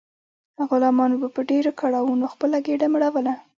غلامانو به په ډیرو کړاوونو خپله ګیډه مړوله.